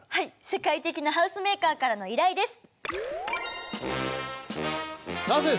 世界的なハウスメーカーからの依頼です。